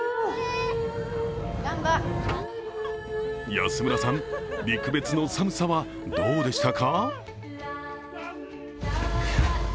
安村さん、陸別の寒さはどうでしたか？